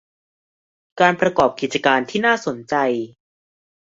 การประกอบกิจการที่น่าสนใจ